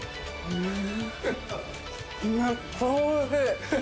うん！